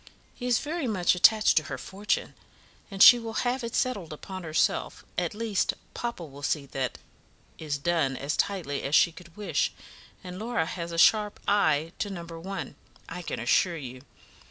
He is very much attached to her fortune, and she will have it settled upon herself; at least, papa will see that is done as tightly as she could wish, and Laura has a sharp eye to number one, I can assure you.